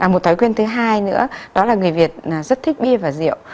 một thói quen thứ hai nữa đó là người việt rất thích bia và rượu